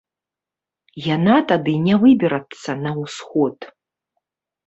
Яна тады не выберацца на ўсход.